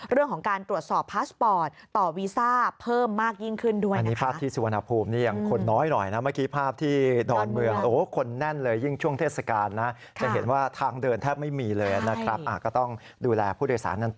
เรื่องของการตรวจสอบพาร์สบอร์ต